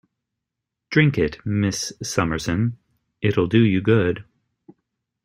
Drink it, Miss Summerson, it'll do you good.